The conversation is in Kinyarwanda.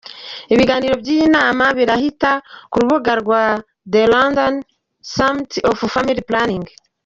Ibiganiro by’iyi nama birahita ku rubuga rwa "The London Summit on Family Planning".